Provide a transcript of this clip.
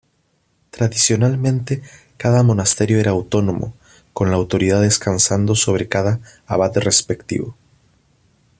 Tradicionalmente cada monasterio era autónomo, con la autoridad descansando sobre cada abad respectivo.